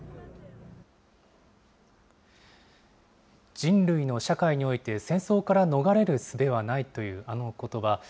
人類の社会において戦争から逃れるすべはないというあのことば。